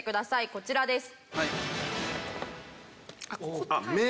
こちらです。